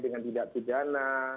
dengan tidak pidana